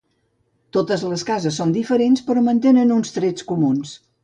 Totes les cases són diferents, però mantenen uns trets comuns.